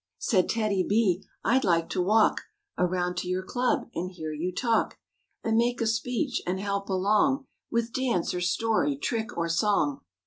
Said TEDDY B, "I'd like to walk Around to your club and hear you talk And make a speech and help along With dance or story, trick or song."